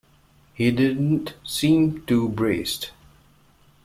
He didn't seem too braced.